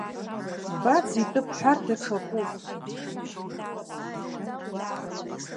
Баӡ итәы бҳәар даҽакуп.